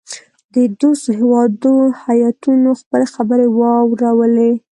د دوستو هیوادو هیاتونو خپلي خبرې واورلې.